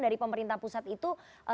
dari pemerintah pusat itu